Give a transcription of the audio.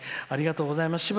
ありがとうございます。